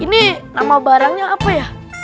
ini nama barangnya apa ya